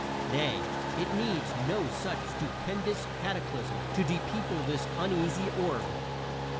Nay, it needs no such stupendous cataclysm to depeople this uneasy orb.